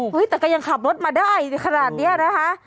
แต่ก็ยังขับรถมาได้ขนาดนี้นะคะ